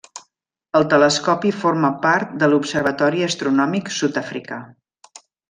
El telescopi forma part de l'Observatori Astronòmic Sud-africà.